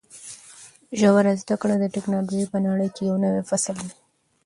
ژوره زده کړه د ټکنالوژۍ په نړۍ کې یو نوی فصل دی.